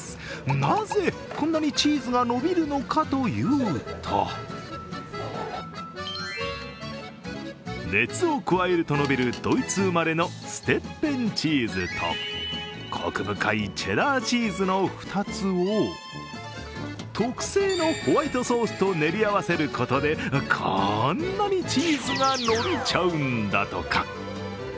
なぜ、こんなにチーズがのびるのかというと熱を加えるとのびるドイツ生まれのステッペンチーズとこく深いチェダーチーズの２つを特製のホワイトソースと練り合わせることでこんなにチーズがのびちゃうんだとか。